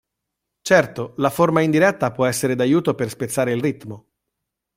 Certo, la forma indiretta può essere d'aiuto per spezzare il ritmo.